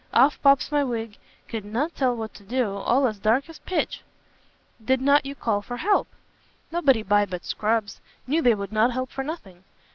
off pops my wig; could not tell what to do; all as dark as pitch!" "Did not you call for help?" "Nobody by but scrubs, knew they would not help for nothing.